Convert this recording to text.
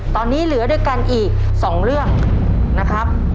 ตอนนี้เหลือด้วยกันอีก๒เรื่องนะครับ